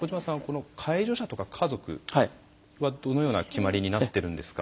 この介助者とか家族はどのような決まりになっているんですか？